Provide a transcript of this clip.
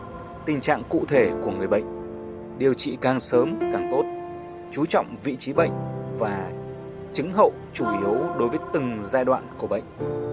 tuy nhiên tình trạng cụ thể của người bệnh điều trị càng sớm càng tốt chú trọng vị trí bệnh và chứng hậu chủ yếu đối với từng giai đoạn của bệnh